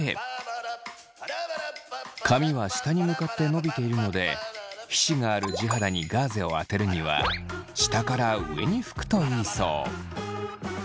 髪は下に向かって伸びているので皮脂がある地肌にガーゼをあてるには下から上に拭くといいそう。